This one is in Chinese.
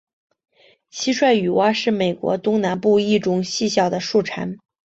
蟋蟀雨蛙是美国东南部一种细小的树蟾。